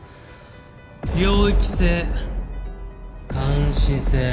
領域性監視性。